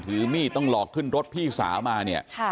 ถือมีดต้องหลอกขึ้นรถพี่สาวมาเนี่ย